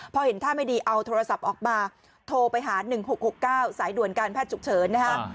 พอเห็นท่าไม่ดีเอาโทรศัพท์ออกมาโทรไปหา๑๖๖๙สายด่วนการแพทย์ฉุกเฉินนะฮะ